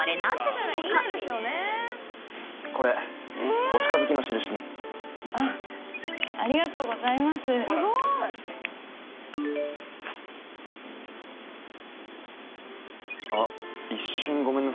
姫子これお近づきの印にあっありがとうございますあっ一瞬ごめんなさい